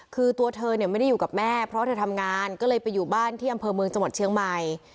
คือตัวเธอเนี่ยไม่ได้อยู่กับแม่เพราะเธอทำงานก็เลยไปอยู่บ้านที่อำเภอเมืองจังหวัดเชียงใหม่